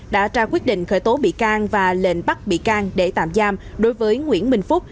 đã ra quyết định khởi tố bị can và lệnh bắt bị can để tạm giam đối với nguyễn bình phúc